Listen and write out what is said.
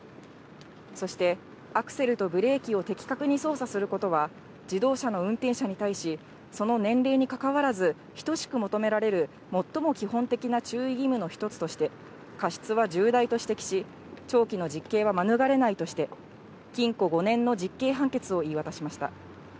そして、アクセルとブレーキを的確に操作することは、自動車の運転者に対し、その年齢にかかわらず、等しく求められる最も基本的な注意義務の一つとして、過失は重大と指摘し、長期の実刑は免れないとして、禁錮５年の実刑判決を言い渡しました。